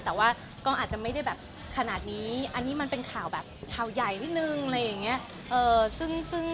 แต่ว่าก็อาจจะไม่ได้แบบขนาดนี้อันนี้มันเป็นข่าวแบบข่าวใหญ่นิดนึงอะไรอย่างนี้